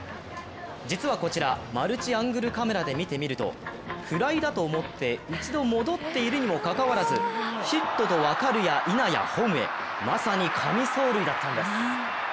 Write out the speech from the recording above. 実はこちら、マルチアングルカメラで見てみると、フライだと思って一度戻っているにもかかわらずヒットと分かるやいなやホームへ、まさに神走塁だったんです。